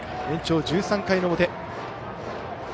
延長１３回の表。